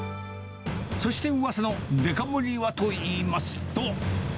そしてうわさのデカ盛りはといいますと。